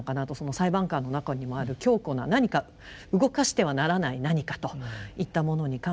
裁判官の中にもある強固な何か動かしてはならない何かといったものに関してですね